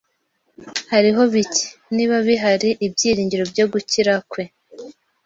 Hariho bike, niba bihari, ibyiringiro byo gukira kwe.